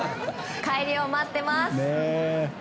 帰りを待ってます。